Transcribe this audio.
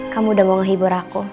kamu udah mau menghibur aku